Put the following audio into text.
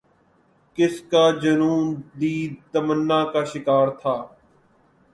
کس کا جنون دید تمنا شکار تھا